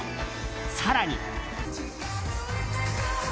更に。